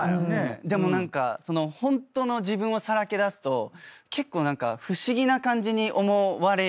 でも何かホントの自分をさらけ出すと結構何か不思議な感じに思われやすいんですよ。